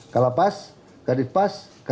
kalapas kadif pas kakan wilkemenkumham